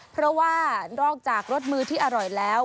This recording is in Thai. เพราะว่านอกจากรสมือที่อร่อยแล้ว